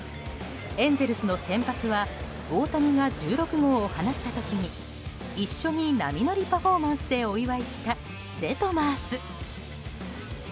エンゼルスの先発は大谷が１６号を放った時に一緒に波乗りパフォーマンスでお祝いしたデトマース。